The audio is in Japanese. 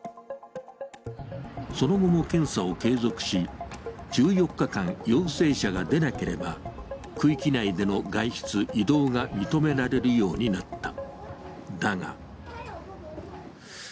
その後も検査を継続し、１４日間陽性者が出なければ、区域内での外出・移動が認められるようになった。